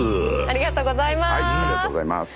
ありがとうございます。